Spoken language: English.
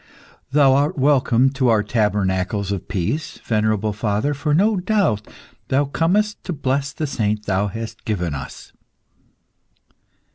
"Thou art welcome to our tabernacles of peace, venerable father, for no doubt, thou comest to bless the saint thou hast given us.